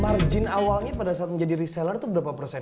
margin awalnya pada saat menjadi reseller itu berapa persen